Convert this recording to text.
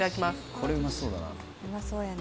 これうまそうだな。